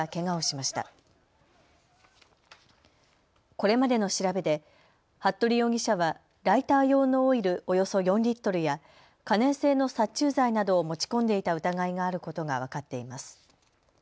これまでの調べで服部容疑者はライター用のオイルおよそ４リットルや、可燃性の殺虫剤などを持ち込んでいた疑いがあることが分かっています。